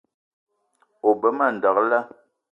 O be ma ndekle